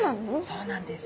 そうなんです。